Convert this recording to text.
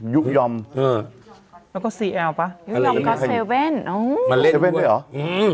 ยุคยอมเออแล้วก็สี่แอลปะยุคยอมก็เซลเว่นอ๋อมาเล่นเซลเว่นด้วยหรอ